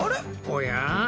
おや？